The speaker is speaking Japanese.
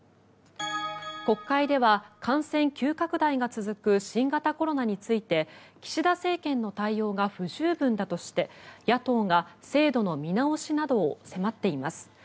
国会では感染急拡大が続く新型コロナについて岸田政権の対応が不十分だとして野党が制度の見直しなどを迫っています。